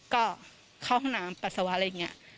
ก็เข้าห้องน้ำปัสสาวะอะไรอย่างนี้